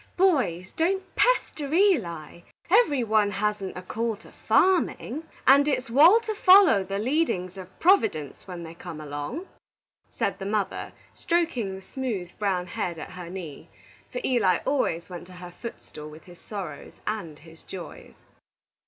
"Boys, don't pester Eli. Every one hasn't a call to farmin', and it's wal to foller the leadin's of Providence when they come along," said the mother, stroking the smooth, brown head at her knee; for Eli always went to her footstool with his sorrows and his joys.